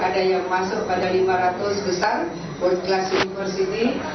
ada yang masuk pada lima ratus besar world class university